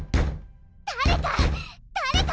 誰か！